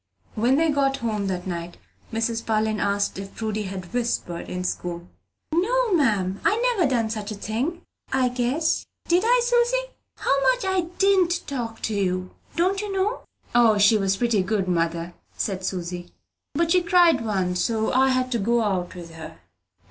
When they got home that night, Mrs. Parlin asked if Prudy had whispered in school. "No, ma'am. I never done such a thing I guess. Did I, Susy? How much I didn't talk to you, don't you know?" "O, she was pretty good, mother," said Susy; "but she cried once so I had to go out with her."